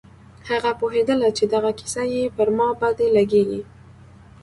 هغه پوهېدله چې دغه کيسې پر ما بدې لگېږي.